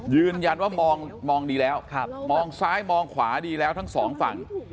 ยืนยันว่ามองดีแล้วมองซ้ายมองขวาดีแล้วทั้งสองฝั่ง